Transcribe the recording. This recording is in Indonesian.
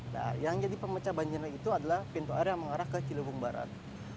nah yang jadi pemecah banjir itu adalah pintu air yang mengarah ke cilebung barat